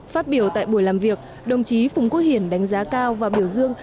phát biểu tại buổi làm việc đồng chí phùng quốc hiển đánh giá cao và biểu dương